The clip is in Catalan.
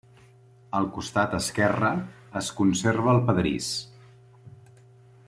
Al costat esquerre es conserva el pedrís.